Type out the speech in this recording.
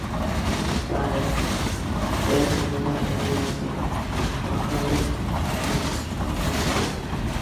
« چارە» دە مۇنۇلار بەلگىلەندى: باھالاش ئۈچ باسقۇچقا بۆلۈنىدۇ.